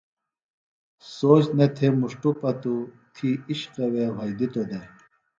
سوچ نہ تھےۡ مُݜٹوۡ پتوۡ تھی اِشقوے وھئدِتوۡ دےۡ۔